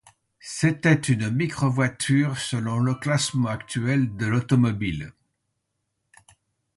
C'était une microvoiture selon le classement actuel de automobiles.